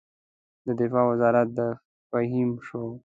د دفاع وزارت د فهیم شو.